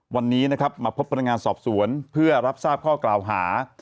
วันนี้นะครับมาพบพนักงานสอบสวนเพื่อรับทราบข้อกล่าวหา